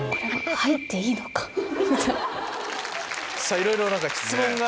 いろいろ質問が。